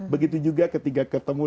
begitu juga ketika ketemu